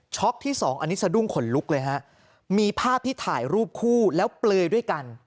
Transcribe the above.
ที่สองอันนี้สะดุ้งขนลุกเลยฮะมีภาพที่ถ่ายรูปคู่แล้วเปลยด้วยกัน